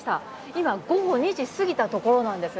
今、午後２時過ぎたところなんです。